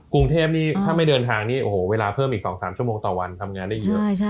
กรุงเทพนี่ถ้าไม่เดินทางนี้โอ้โหเวลาเพิ่มอีก๒๓ชั่วโมงต่อวันทำงานได้เยอะ